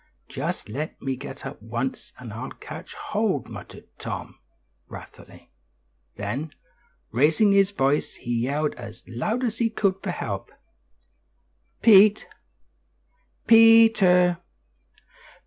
"Just let me get up once, and I'll catch hold," muttered Tom, wrathfully; then, raising his voice, he yelled as loud as he could for help. "Pete! P e e e e ter!